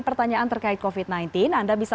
pertanyaan terkait covid sembilan belas anda bisa